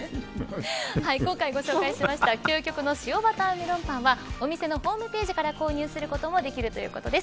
今回ご紹介した究極の塩バターメロンパンはお店のホームページから購入することもできるということです。